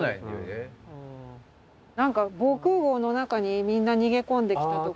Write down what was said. なんか防空ごうの中にみんな逃げ込んできたとか。